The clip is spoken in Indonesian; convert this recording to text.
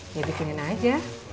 ini bikinin aja